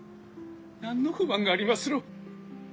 何の不満がありますろう？